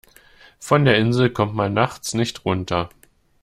Von der Insel kommt man nachts nicht runter.